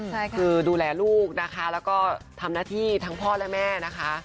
คือดูแลลูกนะคะแล้วก็ทำหน้าที่ทั้งพ่อและแม่นะคะ